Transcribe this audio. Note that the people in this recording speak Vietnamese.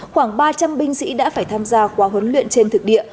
khoảng ba trăm linh binh sĩ đã phải tham gia quá huấn luyện trên thực địa